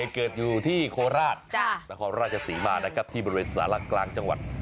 เกิดอยู่ที่โคราชนครราชศรีมานะครับที่บริเวณสาระกลางจังหวัด